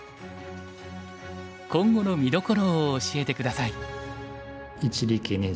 今後の見どころを教えて下さい。